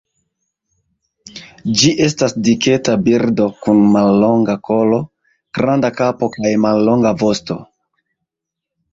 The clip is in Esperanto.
Ĝi estas diketa birdo, kun mallonga kolo, granda kapo kaj mallonga vosto.